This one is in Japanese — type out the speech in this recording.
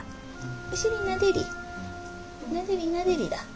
お尻なでりなでりなでりだ。